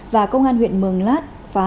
và công an huyện mường lát phá